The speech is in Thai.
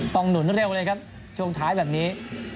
หนุนเร็วเลยครับช่วงท้ายแบบนี้